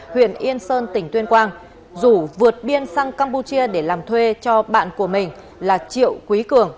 huyện yên sơn tỉnh tuyên quang rủ vượt biên sang campuchia để làm thuê cho bạn của mình là triệu quý cường